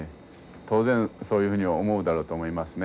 当然そういうふうには思うだろうと思いますね。